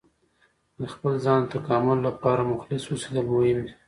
د خپل ځان د تکامل لپاره مخلص اوسیدل مهم دي.